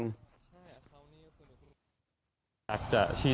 คุณแม่เป็นกรรมโฟร์